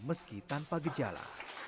nah meski tanpa gejala